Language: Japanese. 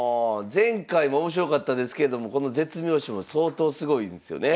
前回も面白かったですけれどもこの絶妙手も相当すごいですよね。